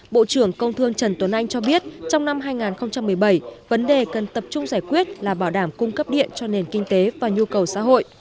bộ trưởng công thương trần tuấn anh cho biết trong năm hai nghìn một mươi bảy vấn đề cần tập trung giải quyết là bảo đảm cung cấp điện cho nền kinh tế và nhu cầu xã hội